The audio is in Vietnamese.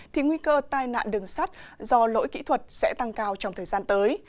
thì nguy cơ tai nạn đường sắt do lỗi kỹ thuật sẽ tăng cao trong thời gian tới